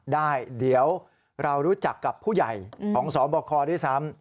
ได้เดี๋ยวเรารู้จักกับผู้ใหญ่ของสบคด้วยซ้ำ